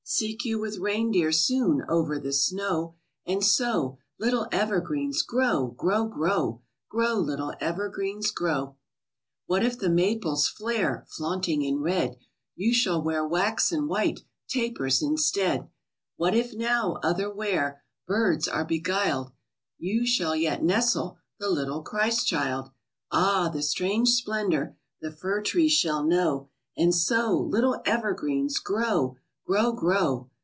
Seek you with reindeer soon, Over the snow; And so, Little evergreens, grow! Grow, grow! Grow, little evergreens, grow! What if the maples flare Flaunting and red, You shall wear waxen white Tapers instead! What if now, otherwhere, Birds are beguiled, You shall yet nestle The little Christ child! Ah! the strange splendor The fir trees shall know! And so, Little evergreens, grow! Grow, grow!